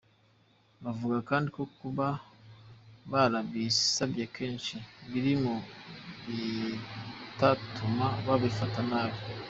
Bavuga kandi ko kuba barabisabye kenshi biri mu bitatuma babifata nabi.